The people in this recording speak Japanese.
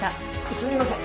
すみません